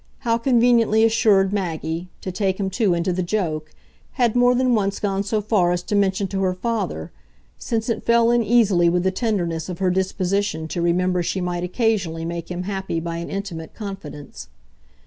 How conveniently assured Maggie to take him too into the joke had more than once gone so far as to mention to her father; since it fell in easily with the tenderness of her disposition to remember she might occasionally make him happy by an intimate confidence.